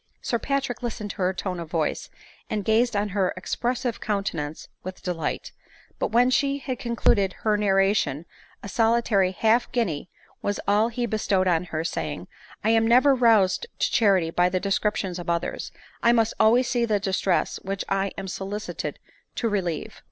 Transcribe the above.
Sir Patrick listened to her tone of voice, and gazed on her expressive countenance with delight ; but when she had concluded her narration a' solitary half guinea was all he bestowed on her, saying, " I am never roused to charity by the descriptions of others ; I must always see the distress which I am solicited to relieve."